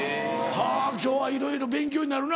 はぁ今日はいろいろ勉強になるな。